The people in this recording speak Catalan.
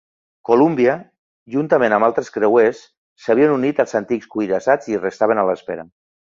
"Columbia" juntament amb altres creuers s'havien unit als antics cuirassats i restaven a l'espera.